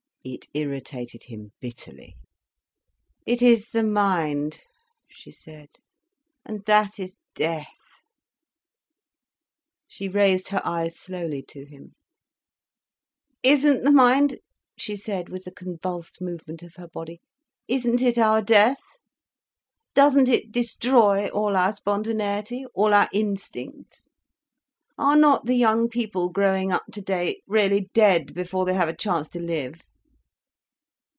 It irritated him bitterly. "It is the mind," she said, "and that is death." She raised her eyes slowly to him: "Isn't the mind—" she said, with the convulsed movement of her body, "isn't it our death? Doesn't it destroy all our spontaneity, all our instincts? Are not the young people growing up today, really dead before they have a chance to live?"